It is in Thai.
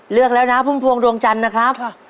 เลือกแล้วนะพุ่มพวงดวงจันทร์นะครับ